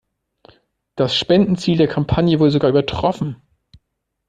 Das Spendenziel der Kampagne wurde sogar übertroffen.